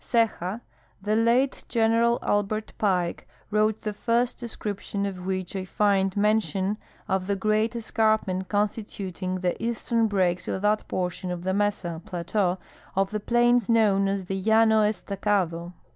Ceja. — The late General Albert Pike wrote the first descrij^tion of which I find mention of the great escarpment constituting the eastern breaks of that })ortion of the mesa (plateau) of the plains known as the Llano Estacado.